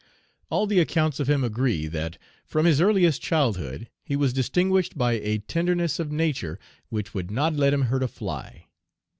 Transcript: All the accounts of him agree that, from his earliest childhood, he was distinguished by a tenderness of nature which would not let him hurt a fly.